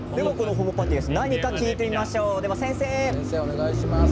ホモ・パティエンスとは何か聞いてみましょう、先生。